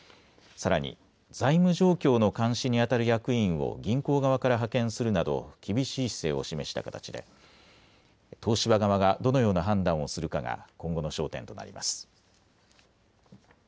さらに財務状況の監視にあたる役員を銀行側から派遣するなど厳しい姿勢を示した形で東芝側がどのような判断をするかが今後の焦点となります。